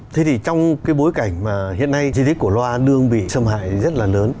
thế thì trong cái bối cảnh mà hiện nay di tích cổ loa đương bị xâm hại rất là lớn